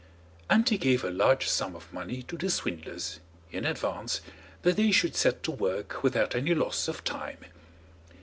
And he gave a large sum of money to the swindlers, in advance, that they should set to work without any loss of time.